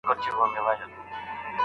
خلګ دا اصول نه تعقیبول.